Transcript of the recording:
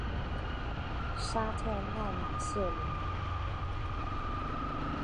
沙特奈马谢龙。